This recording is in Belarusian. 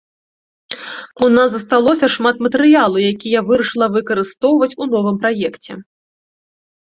У нас засталося шмат матэрыялу, які я вырашыла выкарыстоўваць у новым праекце.